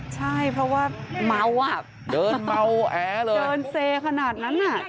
ใช่เพราะว่าเมาอ่ะเดินเมาแอเลยเดินเซขนาดนั้นอ่ะ